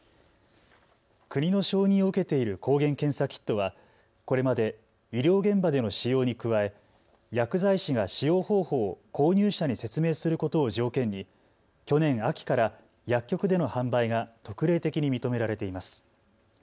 国の承認を受けている抗原検査キットはこれまで医療現場での使用に加え薬剤師が使用方法を購入者に説明することを条件に去年秋から薬局での販売が特例的に認められています。